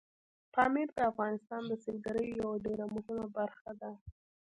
پامیر د افغانستان د سیلګرۍ یوه ډېره مهمه برخه ده.